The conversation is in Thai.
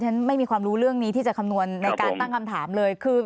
ฉันไม่มีความรู้เรื่องนี้ที่จะคำนวณในการตั้งคำถามเลยคือ